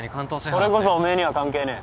それこそおめえには関係ねえ。